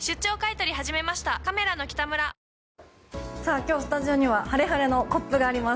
今日スタジオにはハレハレのコップがあります。